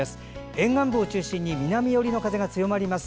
沿岸部を中心に南寄りの風が強まります。